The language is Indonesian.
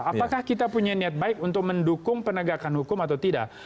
apakah kita punya niat baik untuk mendukung penegakan hukum atau tidak